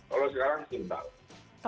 kalau sekarang simpel